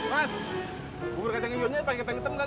mas bubur gajang hijaunya paling keteng keteng gak